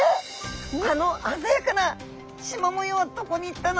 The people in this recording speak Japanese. あのあざやかなしま模様はどこにいったの？」